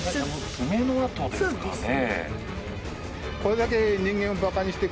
爪の痕ですかね。